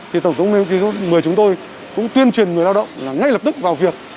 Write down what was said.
thì tổng thống nguyên chính số một mươi chúng tôi cũng tuyên truyền người lao động là ngay lập tức vào việc